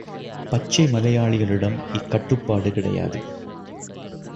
பச்சை மலையாளிகளிடம் இக் கட்டுப்பாடு கிடையாது.